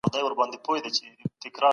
شتون متغیر وي.